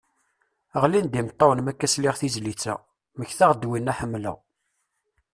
Ɣlin-d imettawen makka sliɣ tizlit a, mmektaɣ-d winna ḥemmleɣ.